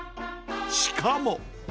しかも。